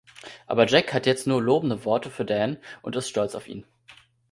Aber Jack hat jetzt nur lobende Worte für Dan und ist stolz auf ihn.